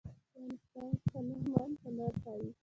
د افغانستان هنرمندان هنر ښيي